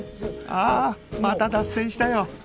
ああまた脱線したよ